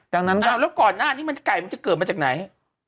แล้วก่อนหน้านี้ไก่มันจะเกิดมาจากไหน